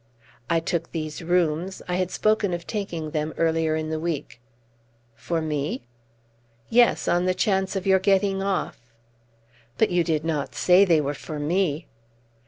"I took these rooms; I had spoken of taking them earlier in the week." "For me?" "Yes, on the chance of your getting off." "But you did not say they were for me!"